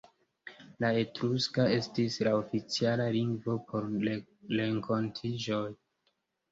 La Etruska estis la oficiala lingvo por renkontiĝoj.